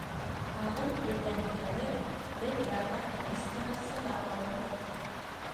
Ағым тиҙҙән кәмер, беҙ ярға тыныс ҡына сыға алырбыҙ.